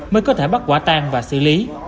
mới có thể bắt quả tang và xử lý